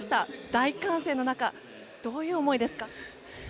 大歓声の中どういう思いですか？